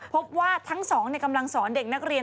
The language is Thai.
พบว่าทั้งสองกำลังสอนเด็กนักเรียน